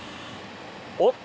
おっ！